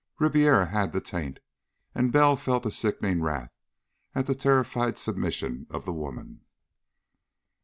Ribiera had the taint, and Bell felt a sickening wrath at the terrified submission of the women.